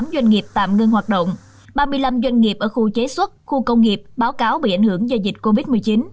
một mươi doanh nghiệp tạm ngưng hoạt động ba mươi năm doanh nghiệp ở khu chế xuất khu công nghiệp báo cáo bị ảnh hưởng do dịch covid một mươi chín